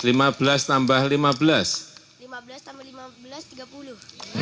lima belas tambah lima belas tiga puluh